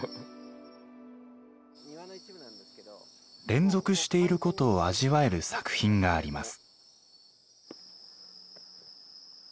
連続していることを味わえる作品があります。